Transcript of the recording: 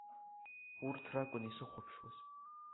Урҭ ракәын исыхәаԥшуаз.